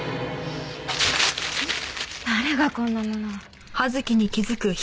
誰がこんなものを。